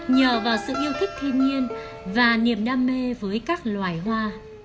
nhờ vào sự yêu thích thiên nhiên và niềm đam mê với các loài hoa